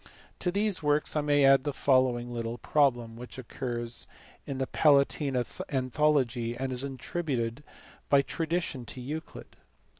To these works I may add the following little problem, which occurs in the Palatine Anthology and is attributed by tradition to Euclid.